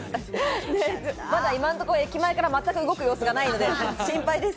今のところ、駅前から全く動く様子がなくて心配です。